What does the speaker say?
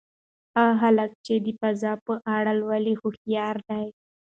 هغه هلک چې د فضا په اړه لولي هوښیار دی.